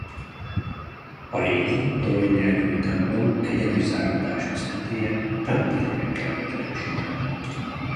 A régi torony nélküli templom egyenes záródású szentélye támpillérekkel volt erősítve.